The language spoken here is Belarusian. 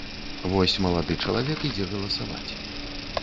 Вось малады чалавек ідзе галасаваць.